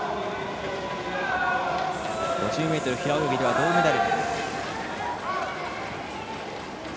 ５０ｍ平泳ぎでは銅メダル。